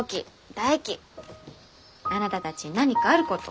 大喜あなたたちに何かあること。